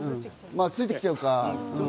また付いてきちゃうか。